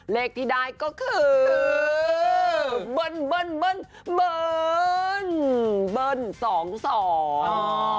เลขที่ได้ก็คือเบิ่นเบิ่นเบิ่นเบิ่นสองสองอ๋อ